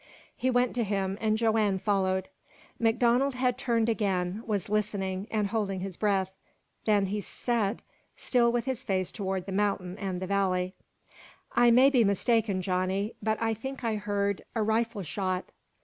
He went to him, and Joanne followed. MacDonald had turned again was listening and holding his breath. Then he said, still with his face toward the mountain and the valley: "I may be mistaken, Johnny, but I think I heard a rifle shot!"